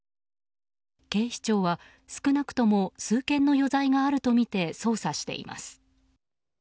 警視庁は少なくとも数件の余罪があるとみて捜査しています。